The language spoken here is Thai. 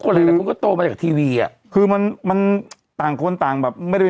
หลายหลายคนก็โตมาจากทีวีอ่ะคือมันมันต่างคนต่างแบบไม่ได้